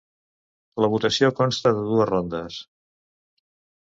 La votació consta de dues rondes.